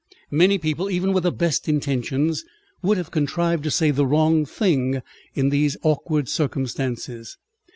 Many people, even with the best intentions, would have contrived to say the wrong thing in these awkward circumstances.